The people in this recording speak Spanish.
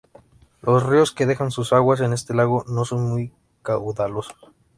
Los ríos que dejan sus aguas en este lago no son muy caudalosos.